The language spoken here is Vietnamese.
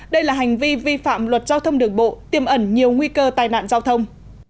đây là hành vi vi phạm luật giao thông đường bộ tiêm ẩn nhiều nguy cơ tai nạn giao thông